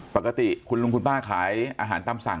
ปกติคุณลุงคุณป้าขายอาหารตามสั่ง